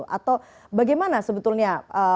atau bagaimana sebetulnya